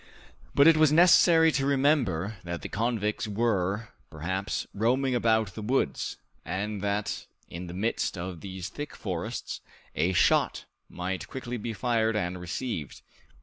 But it was necessary to remember that the convicts were, perhaps, roaming about the woods, and that in the midst of these thick forests a shot might quickly be fired and received.